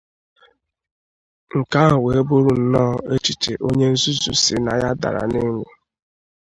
Nke ahụ wee bụrụ nnọọ echiche onye nzuzu sị na ya dara n'elu